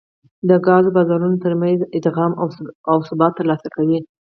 د ګازو بازارونو ترمنځ ادغام او ثبات ترلاسه کوي